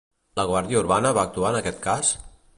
La Guàrdia Urbana va actuar en aquest cas?